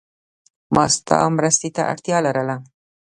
ما ستا مرستی ته اړتیا لرله.